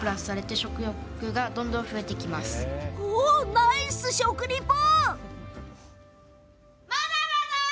おお、ナイス食リポ！